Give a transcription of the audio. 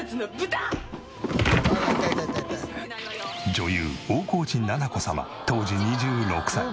女優大河内奈々子様当時２６歳。